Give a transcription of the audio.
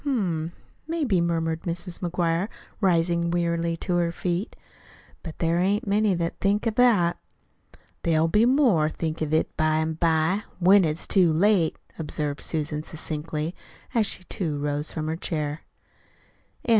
"Hm m, maybe," murmured Mrs. McGuire, rising wearily to her feet; "but there ain't many that thinks of that." "There'll be more think of it by an' by when it's too late," observed Susan succinctly, as she, too, rose from her chair.